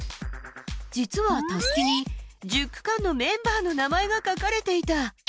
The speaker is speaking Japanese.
実は、たすきに１０区間のメンバーの名前が書かれていた。